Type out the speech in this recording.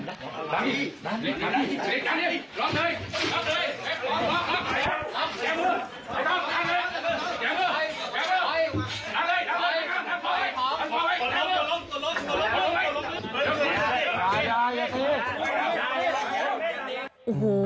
รอบไหน